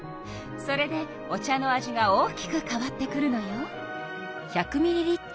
それでお茶の味が大きく変わってくるのよ。